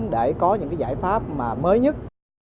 để có những giải pháp mới nhất